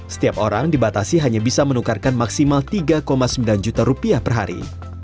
setiap orang dibatasi hanya bisa menukarkan maksimal tiga sembilan juta rupiah per hari